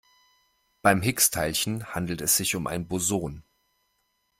Beim Higgs-Teilchen handelt es sich um ein Boson.